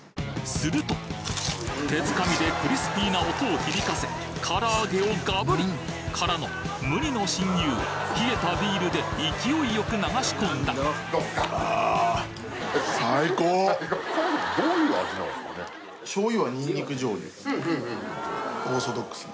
すると手づかみでクリスピーな音を響かせから揚げをガブリ！からの無二の親友冷えたビールで勢いよく流し込んだふんふん。